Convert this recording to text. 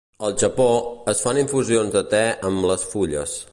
Al Japó, es fan infusions de te amb les fulles.